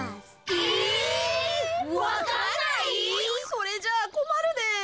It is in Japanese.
それじゃあこまるで。